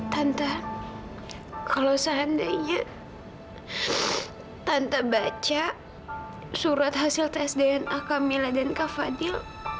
tante kalau seandainya tante baca surat hasil tes dna camilla dan kak fadil